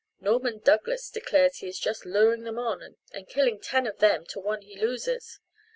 Norman Douglas declares he is just luring them on and killing ten of them to one he loses.